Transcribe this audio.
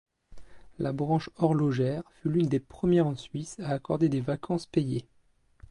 La branche horlogère fut l'une des premières en Suisse à accorder des vacances payées.